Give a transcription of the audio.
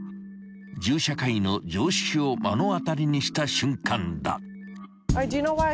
［銃社会の常識を目の当たりにした瞬間だ］